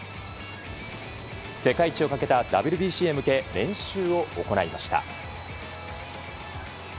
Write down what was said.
世界一をかけたＷＢＣへ向け練習を行いました。